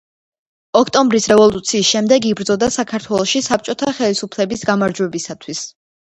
ოქტომბრის რევოლუციის შემდეგ იბრძოდა საქართველოში საბჭოთა ხელისუფლების გამარჯვებისათვის.